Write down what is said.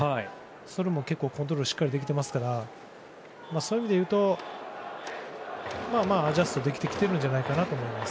それも結構コントロールがしっかりできてますからそういう意味でいうとアジャストできているんじゃないかと思います。